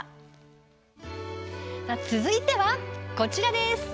続いては、こちら。